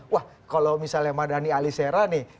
wah kalau misalnya mardani alisera nih